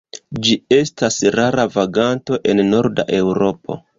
Ĝi estas rara vaganto en Norda Eŭropo.